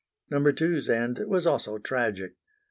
Number Two's end was also tragic.